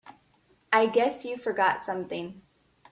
I guess you forgot something.